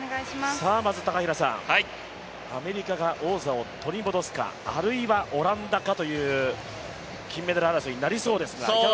アメリカが王座を取り戻すか、あるいはオランダかという金メダル争いになりそうですが。